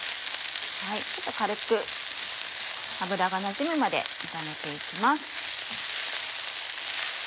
軽く油がなじむまで炒めて行きます。